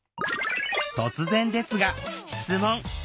突然ですが質問！